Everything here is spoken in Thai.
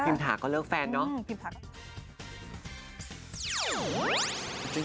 พิมถาก็เลือกแฟนนะ